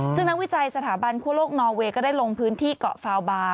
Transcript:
ซึ่งนักวิจัยสถาบันคั่วโลกนอเวย์ก็ได้ลงพื้นที่เกาะฟาวบาร์